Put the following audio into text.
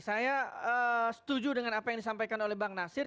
saya setuju dengan apa yang disampaikan oleh bang nasir